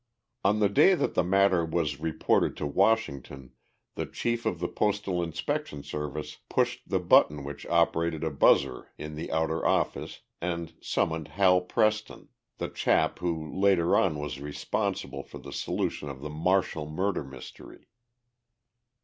On the day that the matter was reported to Washington the chief of the Postal Inspection Service pushed the button which operated a buzzer in the outer office and summoned Hal Preston, the chap who later on was responsible for the solution of the Marshall murder mystery.